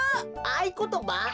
あいことば？